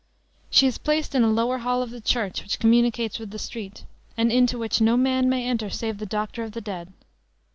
She is placed in a lower hall of the church which communicates with the street, and into which no man may enter save the doctor of the dead.